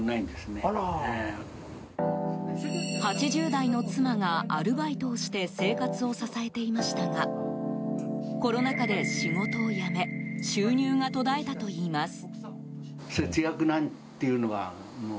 ８０代の妻がアルバイトをして生活を支えていましたがコロナ禍で仕事を辞め収入が途絶えたといいます。